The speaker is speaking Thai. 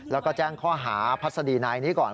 แล้วก็แจ้งข้อหาพัศดีนายนี้ก่อน